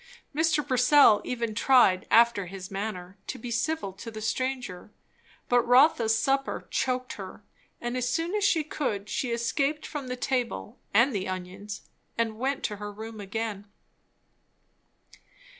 Mr. Purcell even tried after his manner to be civil to the stranger; but Rotha's supper choked her; and as soon as she could she escaped from the table and the onions and went to her room again.